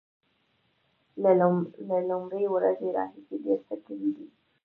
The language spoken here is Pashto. له لومړۍ ورځې راهیسې ډیر څه کړي دي